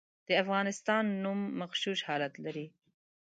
د افغانستان نوم مغشوش حالت لري.